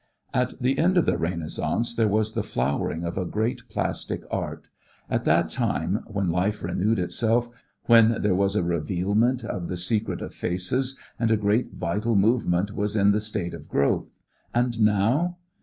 At the end of the Renaissance there was the flowering of a great plastic art; at that time when life renewed itself, when there was a revealment of the secret of faces, and a great vital movement was in the state of growth. And now?